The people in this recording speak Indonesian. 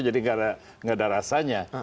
jadi nggak ada rasanya